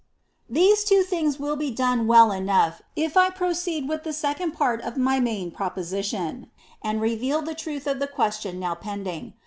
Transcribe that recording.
These two things will be done well enough if I proceed with the second part of my main proposition, and reveal the truth of the question now pending.